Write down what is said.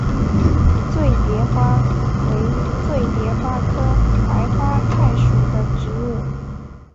醉蝶花为醉蝶花科白花菜属的植物。